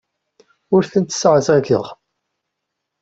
Ur tent-sseɛẓageɣ.